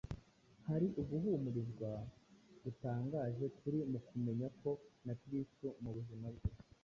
hari uguhumurizwa gutangaje kuri mu kumenya ko na Kristo mu buzima bwe